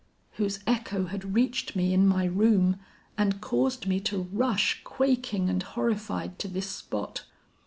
whose echo had reached me in my room and caused me to rush quaking and horrified to this spot.